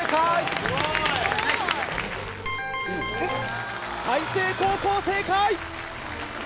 すごい！開成高校正解！